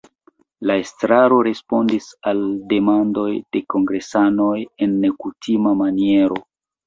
La estraro respondis al demandoj de kongresanoj en nekutima maniero.